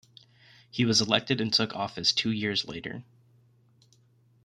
He was elected and took office two years later.